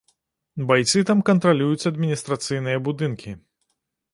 Байцы там кантралююць адміністрацыйныя будынкі.